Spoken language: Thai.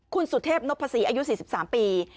คุณสุเทพนพศรีอายุ๔๓ปี